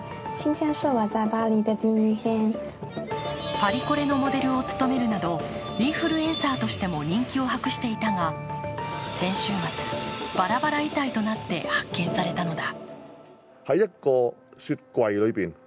パリコレのモデルを務めるなど、インフルエンサーとしても人気を博していたが、先週末、バラバラ遺体となって発見されたのだ。